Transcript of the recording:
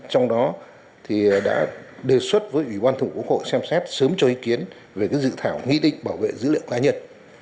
trong đó đã đề xuất với ủy ban thủ quốc hội xem xét sớm cho ý kiến về dự thảo nghị định bảo vệ dữ liệu cá nhân